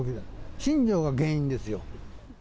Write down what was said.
新庄が原因ですよ。